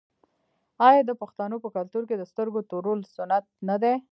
آیا د پښتنو په کلتور کې د سترګو تورول سنت نه دي؟